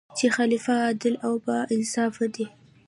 چې خلیفه عادل او با انصافه دی.